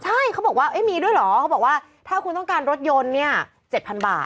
ใช่เขาบอกว่ามีด้วยเหรอเขาบอกว่าถ้าคุณต้องการรถยนต์เนี่ย๗๐๐บาท